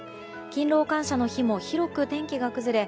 勤労感謝の日も広く天気が崩れ